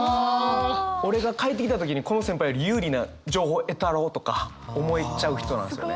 俺が帰ってきた時にこの先輩より有利な情報得たろとか思えちゃう人なんですよね。